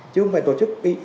chứ không phải tổ chức